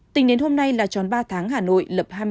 tỉnh đến hôm nay là tròn ba tháng hà nội lập hai mươi ba